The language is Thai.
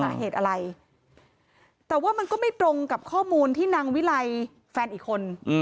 สาเหตุอะไรแต่ว่ามันก็ไม่ตรงกับข้อมูลที่นางวิไลแฟนอีกคน